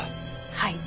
はい。